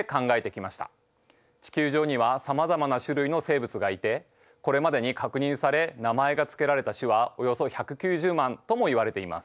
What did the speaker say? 地球上にはさまざまな種類の生物がいてこれまでに確認され名前がつけられた種はおよそ１９０万ともいわれています。